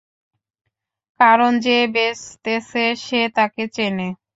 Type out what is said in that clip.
কারন যে বেচতেছে, সে তাকে চেনে।